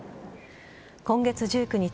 今月１９日